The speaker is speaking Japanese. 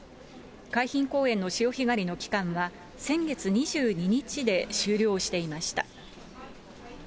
海浜公園の潮干狩りの期間は、先月２２日で終了していました。